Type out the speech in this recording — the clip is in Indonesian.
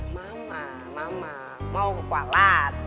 mama mama mau olat